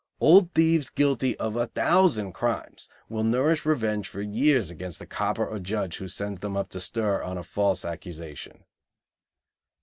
Old thieves guilty of a thousand crimes will nourish revenge for years against the copper or judge who sends them up to "stir" on a false accusation.